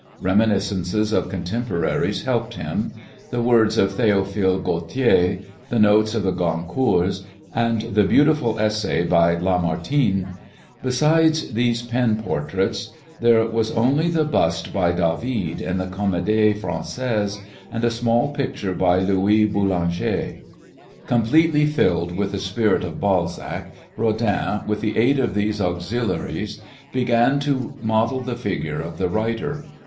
Reminiscences of contemporaries helped him; the words of Théophile Gautier, the notes of the Goncourts, and the beautiful essay by Lamartine. Beside these pen portraits there was only the bust by David in the Comédie Française and a small picture by Louis Boulanger. Completely filled with the spirit of Balzac, Rodin, with the aid of these auxiliaries, began to model the figure of the writer.